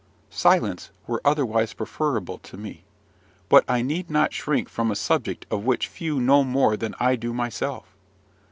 Silence were otherwise preferable to me, but I need not shrink from a subject of which few know more than I do myself.